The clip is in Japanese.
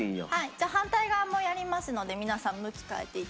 じゃあ反対側もやりますので皆さん向き変えていただいて。